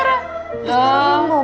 belum bu bu